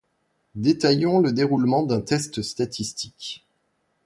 Détaillons le déroulement d'un test statistique.